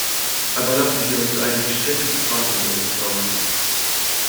Aber lassen Sie uns zu einigen strittigen Fragen im Bericht kommen.